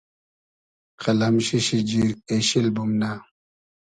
قئلئم شی شیجیر اېشیل بومنۂ